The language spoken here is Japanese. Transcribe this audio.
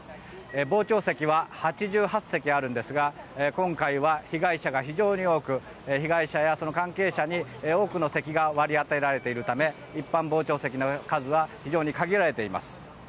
傍聴席は８８席あるんですが今回は被害者が非常に多く被害者やその関係者に多くの席が割り当てられているため一般傍聴席の数は非常に限られています。